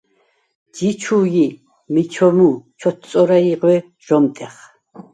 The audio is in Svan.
ჯი ჩუ ი მიჩომუ ჩოთწორა ი ღვე ჟ’ომტეხ.